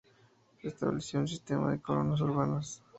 Se estableció un sistema de "coronas urbanas".